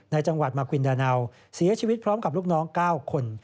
ในจังหวัดมากวินดาเนาเสียชีวิตพร้อมกับลูกน้อง๙คน